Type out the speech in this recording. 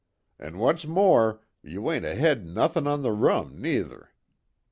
An' what's more you ain't ahead nothin' on the rum, neither.